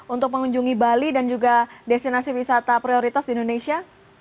untuk mengunjungi bali dan juga destinasi wisata prioritas di indonesia